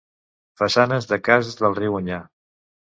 Façanes de cases del riu Onyar.